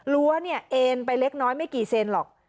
รั้วเนี่ยเอ็นไปเล็กน้อยไม่กี่เซนหรอก